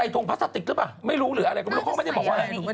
ใจทรงพลาสติกรึเปล่าไม่รู้หรืออะไรเค้าไม่ได้บอกว่าอะไร